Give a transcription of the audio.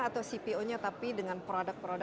atau cpo nya tapi dengan produk produk